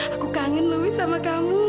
aku kangen louis sama kamu